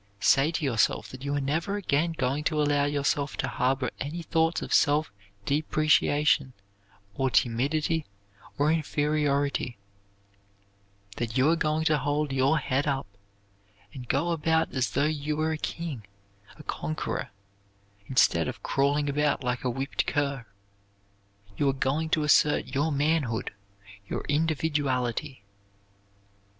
Say to yourself that you are never again going to allow yourself to harbor any thoughts of self depreciation or timidity or inferiority; that you are going to hold your head up and go about as though you were a king, a conqueror, instead of crawling about like a whipped cur; you are going to assert your manhood, your individuality.